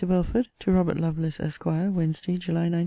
BELFORD, TO ROBERT LOVELACE, ESQ. WEDNESDAY, JULY 19.